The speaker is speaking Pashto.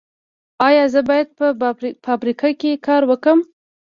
ایا زه باید په فابریکه کې کار وکړم؟